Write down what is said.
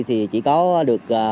thì chỉ có được